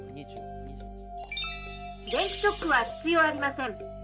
「電気ショックは必要ありません」。